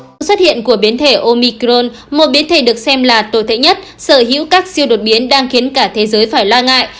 sự xuất hiện của biến thể omicron một biến thể được xem là tồi tệ nhất sở hữu các siêu đột biến đang khiến cả thế giới phải lo ngại